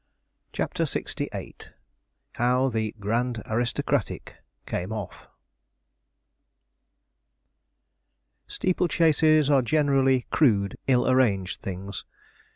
CHAPTER LXVIII HOW THE 'GRAND ARISTOCRATIC' CAME OFF Steeple chases are generally crude, ill arranged things.